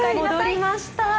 戻りました。